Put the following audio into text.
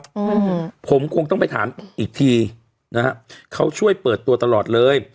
อืมผมคงต้องไปถามอีกทีนะฮะเขาช่วยเปิดตัวตลอดเลย